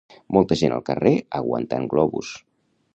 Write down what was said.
Molta gent al carrer aguantant globus